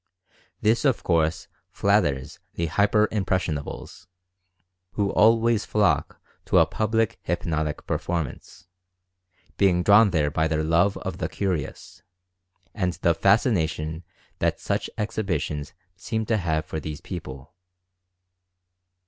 This, of course, flatters the "hyper irnpressionables/' who always flock to a public hyp 136 Inquiry into Certain Phenomena 137 notic performance, being drawn there by their love of the curious, and the fascination that such exhibitions seem to have for these people.